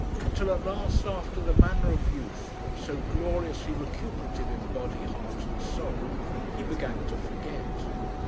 Until at last, after the manner of youth, so gloriously recuperative in body, heart, and soul, he began to forget.